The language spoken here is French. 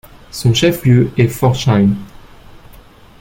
Son chef lieu est Forchheim.